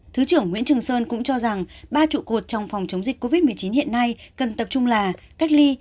thứ trưởng nguyễn trường sơn cũng cho rằng ba trụ cột trong phòng chống dịch covid một mươi chín hiện nay cần tập trung là cách ly